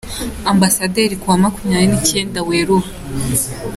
Ambasaderi ku wa makumyabiri n’icyenda Werurwe.